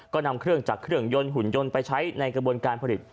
ก็นำเครื่องจากเครื่องยนต์หุ่นยนต์ไปใช้ในกระบวนการผลิต